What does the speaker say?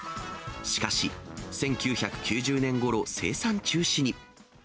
しかし、１９９０年ごろ、生産中止に。